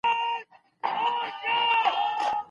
که کار مهم نه وای نو ولي خلکو کوی .